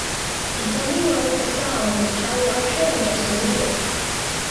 Denning wrote the song with Kelly Archer and Justin Weaver.